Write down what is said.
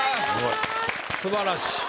素晴らしい。